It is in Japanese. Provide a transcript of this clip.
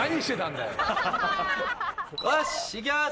よしいきます。